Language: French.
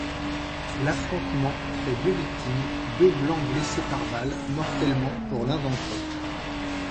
L'affrontement fait deux victimes, deux blancs blessés par balle, mortellement pour l'un d’entre eux.